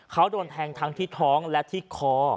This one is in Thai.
เขาโดนแทงทั้งที่ท้องและที่คอ